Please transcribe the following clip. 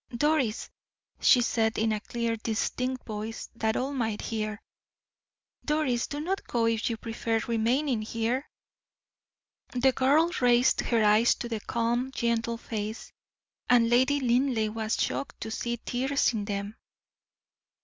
"Doris," she said, in a clear distinct voice, that all might hear, "Doris, do not go if you prefer remaining here." The girl raised her eyes to the calm gentle face, and Lady Linleigh was shocked to see tears in them.